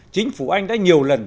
chính phủ anh đã nhiều lần